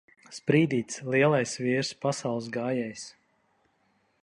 Sprīdītis! Lielais vīrs! Pasaules gājējs!